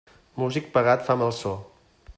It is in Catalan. Músic pagat fa mal so.